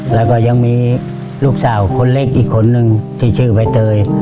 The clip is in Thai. แล้วก็ยังมีลูกสาวคนเล็กอีกคนนึงที่ชื่อใบเตย